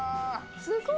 「すごい！」